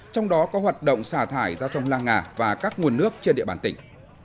trong đó có hoạt động xả thải ra sông lang nga và các nguồn nước trên địa bàn tỉnh